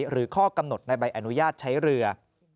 ข้อกำหนดในใบอนุญาตใช้เรือ